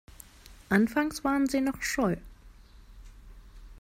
Anfangs waren sie noch scheu.